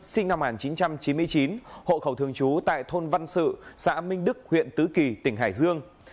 sinh năm một nghìn chín trăm chín mươi chín hộ khẩu thường trú tại thôn văn sự xã minh đức huyện tứ kỳ tỉnh hải dương